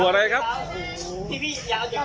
สวัสดีครับคุณแฟม